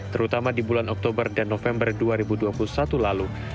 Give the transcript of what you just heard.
terutama di bulan oktober dan november dua ribu dua puluh satu lalu